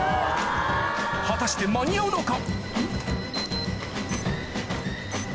果たして間に合うのか？